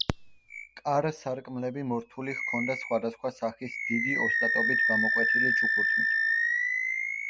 კარ-სარკმლები მორთული ჰქონდა სხვადასხვა სახის დიდი ოსტატობით გამოკვეთილი ჩუქურთმით.